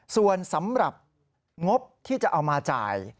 ส่วนสำหรับงบที่จะเอามาจ่าย